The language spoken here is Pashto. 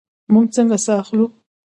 موږ څنګه ساه اخلو؟